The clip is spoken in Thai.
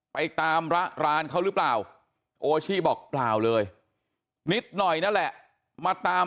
ไปตามระรานเขาหรือเปล่าโอชี่บอกเปล่าเลยนิดหน่อยนั่นแหละมาตาม